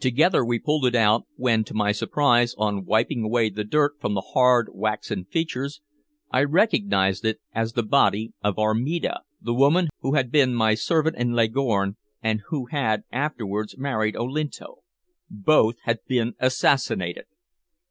Together we pulled it out, when, to my surprise, on wiping away the dirt from the hard waxen features, I recognized it as the body of Armida, the woman who had been my servant in Leghorn and who had afterwards married Olinto. Both had been assassinated!